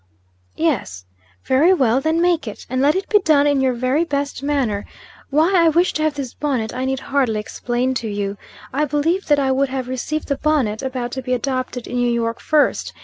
"Yes." "Very well. Then make it. And let it be done in your very best manner. Why I wish to have this bonnet I need hardly explain to you. I believed that I would have received the bonnet, about to be adopted in New York, first.